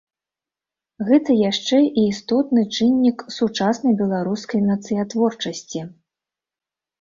Гэта яшчэ і істотны чыннік сучаснай беларускай нацыятворчасці.